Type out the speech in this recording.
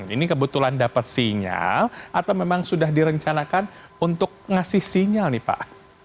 ini kebetulan dapat sinyal atau memang sudah direncanakan untuk ngasih sinyal nih pak